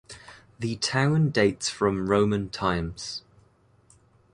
The town dates from Roman times.